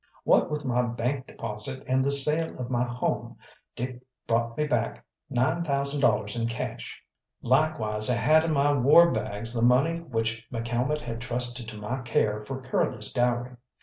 What with my bank deposit and the sale of my home, Dick brought me back nine thousand dollars in cash. Likewise I had in my warbags the money which McCalmont had trusted to my care for Curly's dowry.